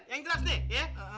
yang jelas deh ya